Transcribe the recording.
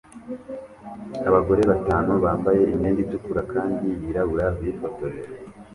Abagore batanu bambaye imyenda itukura kandi yirabura bifotoje